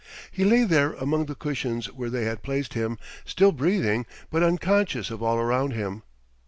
He lay there among the cushions where they had placed him still breathing, but unconscious of all around him.